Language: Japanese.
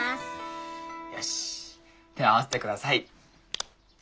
よし手を合わせて下さい。